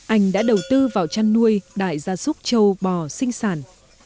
anh đã đầu tư vào chăn nuôi đại gia súc châu bò sinh sản